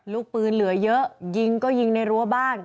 ลูกปืนเหลือเยอะยิงก็ยิงในรั้วบ้าน